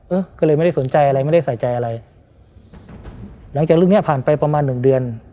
เออก็เลยไม่ได้สนใจอะไรไม่ได้ใส่ใจอะไรหลังจากเรื่องเนี้ยผ่านไปประมาณหนึ่งเดือน